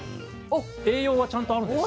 栄養はちゃんとあるんです。